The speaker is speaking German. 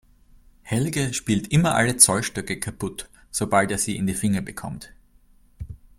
Helge spielt immer alle Zollstöcke kaputt, sobald er sie in die Finger bekommt.